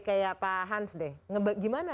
kayak pak hans deh gimana